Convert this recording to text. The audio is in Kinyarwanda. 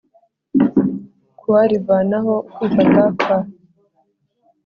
kuwa rivanaho ukwifata kwa